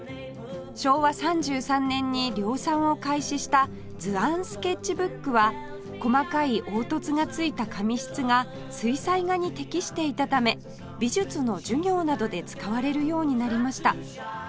昭和３３年に量産を開始した図案スケッチブックは細かい凹凸がついた紙質が水彩画に適していたため美術の授業などで使われるようになりました